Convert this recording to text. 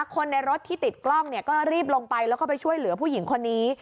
คนในรถที่ติดกล้องเนี่ยก็รีบลงไปแล้วก็ไปช่วยเหลือผู้หญิงคนนี้